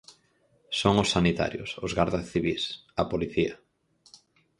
Son os sanitarios, os gardas civís, a policía.